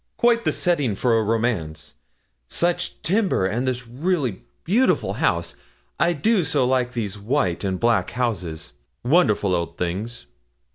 quite the setting for a romance; such timber, and this really beautiful house. I do so like these white and black houses wonderful old things.